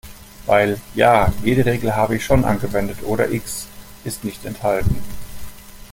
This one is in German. Weil, ja, jede Regel habe ich schon angewendet oder X ist nicht enthalten.